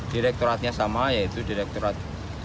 direktoratnya sama yaitu direkturat